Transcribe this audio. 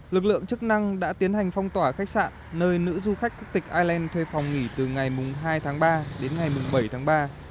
lực lượng chức năng đã tiến hành phong tỏa khách sạn nơi nữ du khách quốc tịch ireland thuê phòng nghỉ từ ngày hai tháng ba đến ngày bảy tháng ba